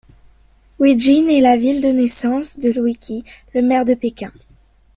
Wujin est la ville de naissance de Liu Qi, le maire de Pékin.